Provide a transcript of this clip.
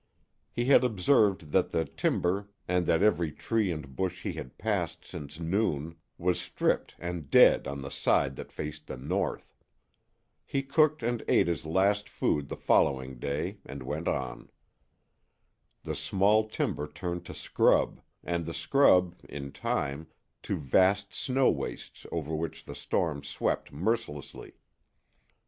He had observed that the timber and that every tree and bush he had passed since noon was stripped and dead on the side that faced the north. He cooked and ate his last food the following day, and went on. The small timber turned to scrub, and the scrub, in time, to vast snow wastes over which the storm swept mercilessly.